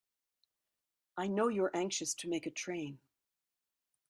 I know you're anxious to make a train.